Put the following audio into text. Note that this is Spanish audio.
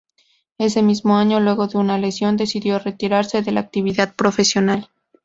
Ese mismo año, luego de una lesión, decidió retirarse de la actividad profesional.